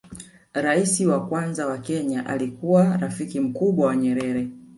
rais wa kwanza wa kenya alikuwa rafiki mkubwa wa nyerere